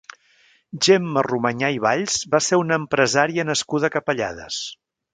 Gemma Romanyà i Valls va ser una empresària nascuda a Capellades.